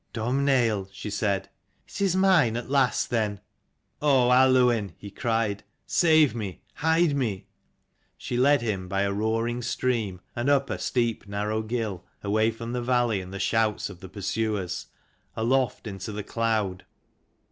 "Domhnaill," she said, "it is mine at last, then?" "Oh, Aluinn," he cried, "save me, hide me!" She led him by a roaring stream and up a steep narrow gill, away from the valley and the shouts of the pursuers, aloft into the cloud.